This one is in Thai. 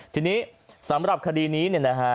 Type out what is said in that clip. ทีนี้สำหรับคดีนี้